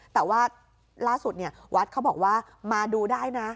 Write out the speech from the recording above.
แต่ว่าล่าสุดวัดเขาบอกว่ามาดูได้นะ